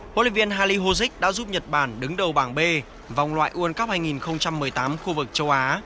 huấn luyện viên hali hozik đã giúp nhật bản đứng đầu bảng b vòng loại world cup hai nghìn một mươi tám khu vực châu á